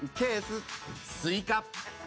スイカ。